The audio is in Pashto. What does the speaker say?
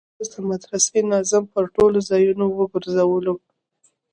په اوله ورځ د مدرسې ناظم پر ټولو ځايونو وگرځولو.